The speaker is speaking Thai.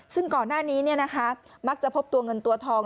ซึ่งก่อนหน้านี้มักจะพบตัวเงินตัวทอง